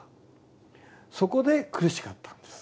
そこで苦しかったんです